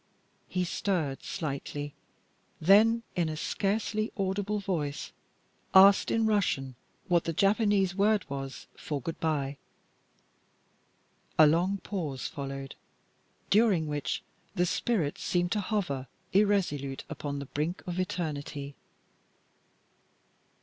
He stirred slightly then, in a scarcely audible voice, asked in Russian what the Japanese word was for "good by." A long pause followed, during which the spirit seemed to hover irresolute upon the brink of eternity.